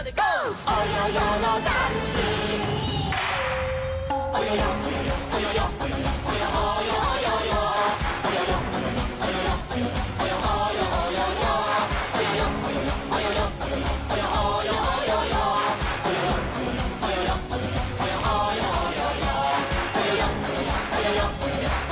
「およよおよよおよよおよよおよおよおよよ」